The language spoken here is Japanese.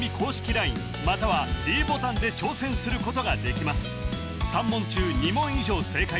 ＬＩＮＥまたはｄボタンで挑戦することができます